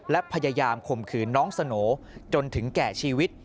และพยายามข่มขืนน้องสโหน่จนถึงแก่ชีวิต